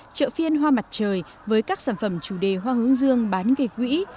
chợ phiên hoa mặt trời với các sản phẩm chủ đề hoa hướng dương bán gây quỹ